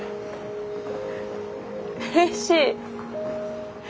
うれしい。